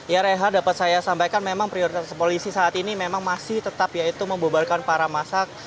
ya rehat dapat saya sampaikan memang prioritas polisi saat ini memang masih tetap yaitu membubarkan para masak